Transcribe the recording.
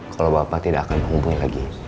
kalau bapak tidak akan menghubungi lagi